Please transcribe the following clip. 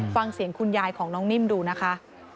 ฟังเสียงคุณยายของน้องนิ่มดูนะคะ